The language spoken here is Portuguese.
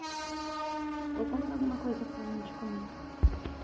Vou comprar alguma coisa para gente comer.